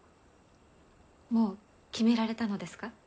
もう決められたのですか？